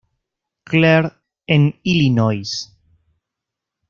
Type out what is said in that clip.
Clair, en Illinois.